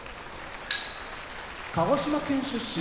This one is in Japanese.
鹿児島県出身